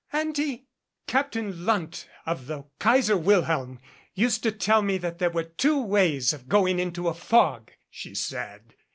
"Auntie, Captain Lundt of the Kaiser Wilhelm used to tell me that there were two ways of going into a fog," she said.